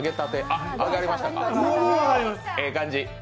ええ感じ。